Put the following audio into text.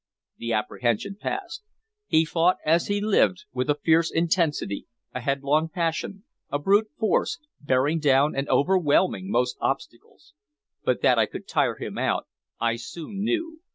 The apprehension passed. He fought as he lived, with a fierce intensity, a headlong passion, a brute force, bearing down and overwhelming most obstacles. But that I could tire him out I soon knew.